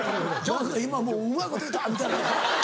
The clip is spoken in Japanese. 今もううまいこと言うた！みたいな。